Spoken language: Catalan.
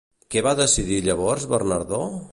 Què va decidir llavors Bernadó?